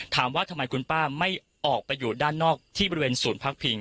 ถามว่าทำไมคุณป้าไม่ออกไปอยู่ด้านนอกที่บริเวณศูนย์พักพิง